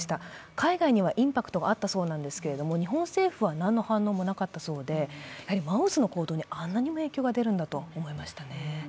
海外にはインパクトがあったそうなんですけど日本政府は何の反応もなかったそうで、マウスの行動にあんなにも影響が出るんだと思いましたね。